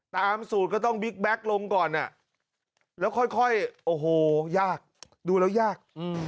ตามสูตรก็ต้องบิ๊กแก๊กลงก่อนแล้วค่อยโอ้โหยากดูแล้วยาก